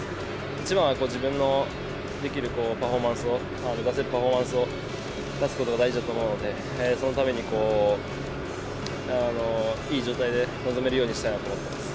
一番は自分のできるパフォーマンスを、出せるパフォーマンスを出すことが大事だと思うので、そのために、いい状態で臨めるようにしたいなと思っています。